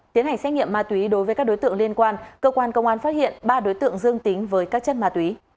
tiến hành xét nghiệm ma túy đối với các đối tượng liên quan cơ quan công an phát hiện ba đối tượng dương tính với các chất ma túy